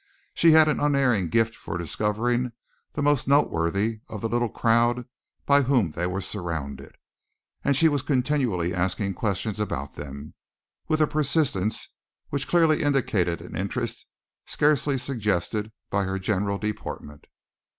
She had an unerring gift for discovering the most noteworthy of the little crowd by whom they were surrounded, and she was continually asking questions about them, with a persistence which clearly indicated an interest scarcely suggested by her general deportment.